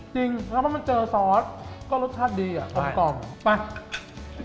จริงแล้วพอมันเจอซอสก็รสชาติดีอ่ะกลมกล่อมไป